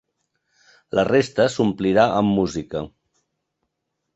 La resta s’omplirà amb música.